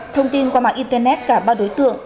thông tin qua mạng internet cả ba đối tượng